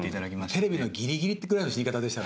テレビのギリギリってくらいの死に方。